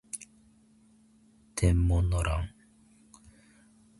天文の乱